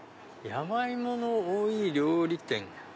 山芋の多い料理店。